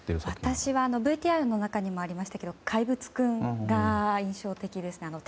私はＶＴＲの中にもありましたが「怪物くん」が印象的でした。